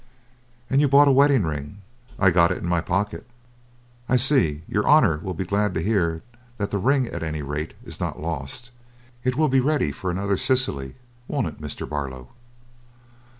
"And you bought a wedding ring?" "I've got it in my pocket." "I see. Your Honour will be glad to hear that the ring, at any rate, is not lost. It will be ready for another Cecily, won't it, Mr. Barlow?"